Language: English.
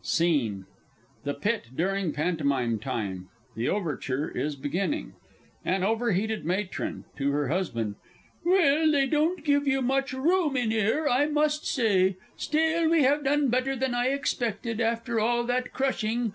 SCENE The Pit during Pantomime Time. The Overture is beginning. AN OVER HEATED MATRON (to her Husband). Well, they don't give you much room in 'ere, I must say. Still, we done better than I expected, after all that crushing.